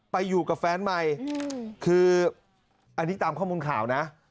ไปอยู่กับแฟนใหม่คืออันนี้ตามข้อมูลข่าวนะ